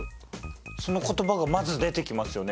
その言葉がまず出てきますよね